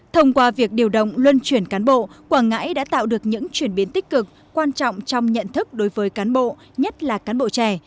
thông qua việc điều động luân chuyển cán bộ quảng ngãi đã tạo được những chuyển biến tích cực quan trọng trong nhận thức đối với cán bộ nhất là cán bộ trẻ